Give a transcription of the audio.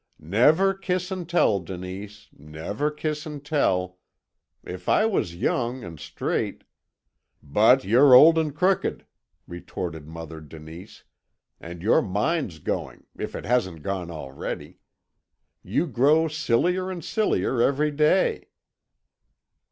"Never kiss and tell, Denise, never kiss and tell! If I was young and straight " "But you're old and crooked," retorted Mother Denise, "and your mind's going, if it hasn't gone already. You grow sillier and sillier every day."